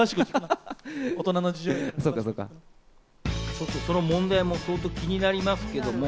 ちょっとその問題も相当気になりますけれども。